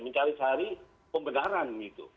mencari cari pembenaran gitu